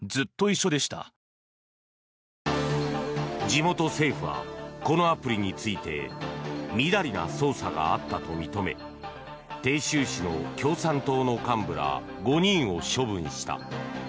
地元政府はこのアプリについてみだりな操作があったと認め鄭州市の共産党の幹部ら５人を処分した。